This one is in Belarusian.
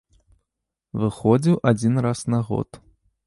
Выходзіў адзін раз на год.